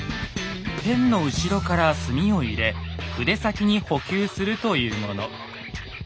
ペンの後ろから墨を入れ筆先に補給するというもの。